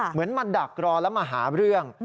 เหมือนมาดักรอแล้วมาหาเรื่อง